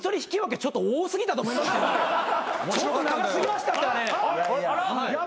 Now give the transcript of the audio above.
ちょっと長過ぎましたってあれ。